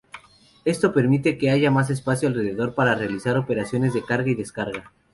Esto permite que haya más espacio alrededor para realizar operaciones de carga y descarga.